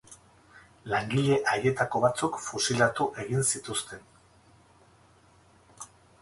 Langile haietako batzuk fusilatu egin zituzten.